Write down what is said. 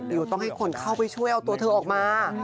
เดี๋ยวต้องให้คนเข้าไปช่วยเอาตัวเธอออกมา